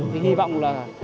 thì hy vọng là